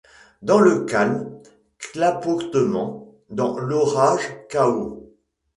Dans le calme, clapotement ; dans l’orage, chaos.